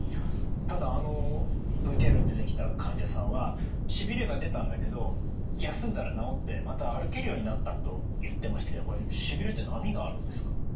ただあのＶＴＲに出てきた患者さんはしびれが出たんだけど休んだら治ってまた歩けるようになったと言ってましたけどこれしびれって波があるんですか？